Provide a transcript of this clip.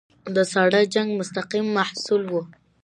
د ساړه جنګ مستقیم محصول وو.